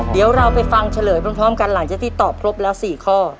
เดี๋ยวเราไปฟังเฉลยพร้อมกันหลังจากที่ตอบครบแล้ว๔ข้อ